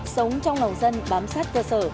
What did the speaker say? sống trong lòng dân bám sát cơ sở